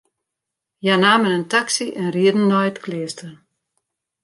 Hja namen in taksy en rieden nei it kleaster.